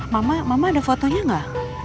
mama mama ada fotonya nggak